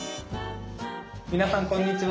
皆さんこんにちは。